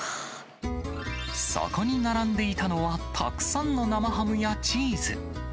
そこに並んでいたのは、たくさんの生ハムやチーズ。